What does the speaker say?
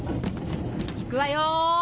行くわよ！